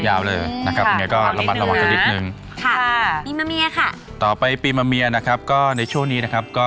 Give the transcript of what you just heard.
ยาวเลยนะครับอย่างงี้ก็